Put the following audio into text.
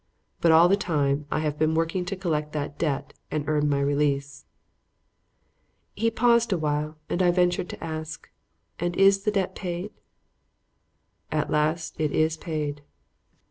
But all the time I have been working to collect that debt and earn my release." He paused awhile, and I ventured to ask: "And is the debt paid?" "At last it is paid."